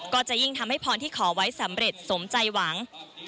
ก็จะยิ่งทำให้พรที่ขอไว้สำเร็จสมใจหวัง